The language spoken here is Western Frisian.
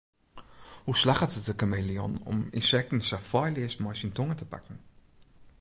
Hoe slagget it de kameleon om ynsekten sa feilleas mei syn tonge te pakken?